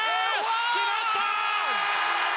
決まった！